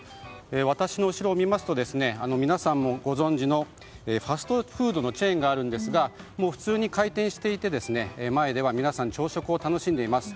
私の後ろを見ますと皆さんもご存じのファストフードのチェーンがありますが普通に開店していて皆さん朝食を楽しんでいます。